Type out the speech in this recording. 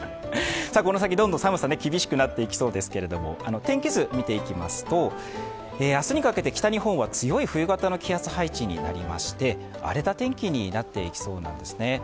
この先、どんどん寒さが厳しくなっていきそうですけど、天気図を見ていきますと、明日にかけて北日本は強い冬型の気圧配置になりまして荒れた天気になっていきそうなんですね。